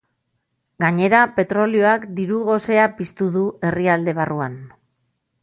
Gainera, petrolioak diru-gosea piztu du herrialde barruan.